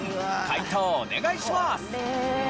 解答をお願いします。